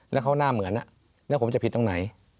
แล้วเขาหน้าเหมือนแล้วผมจะผิดตรงไหน